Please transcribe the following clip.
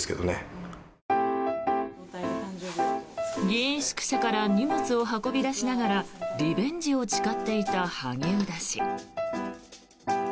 議員宿舎から荷物を運び出しながらリベンジを誓っていた萩生田氏。